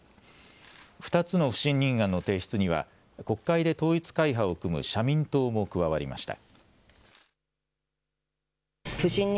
２つの不信任案の提出には国会で統一会派を組む社民党も加わりました。